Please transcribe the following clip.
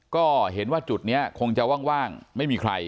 ก็เห็นว่าจุดนี้คงจะว่างไม่มีใคร